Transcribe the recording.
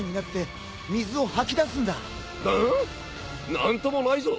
何ともないぞ。